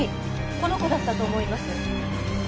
この子だったと思います。